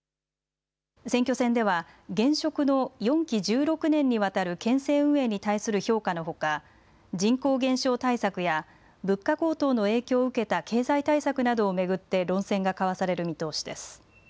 選挙戦では現職の４期１６年にわたる県政運営に対する評価のほか、人口減少対策や物価高騰の影響を受けた経済対策などを巡って論戦が交わされる見通しです。